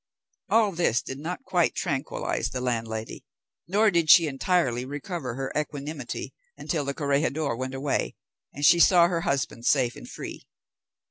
All this did not quite tranquilise the landlady, nor did she entirely recover her equanimity until the corregidor went away, and she saw her husband safe and free.